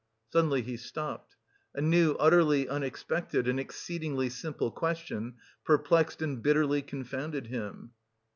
Suddenly he stopped; a new utterly unexpected and exceedingly simple question perplexed and bitterly confounded him.